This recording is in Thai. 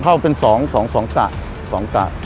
เข้าเป็น๒๒กะ